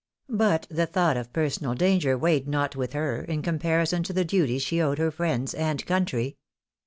But the thought of personal danger weighed not with her, in comparison to the duty she owed her friends and country.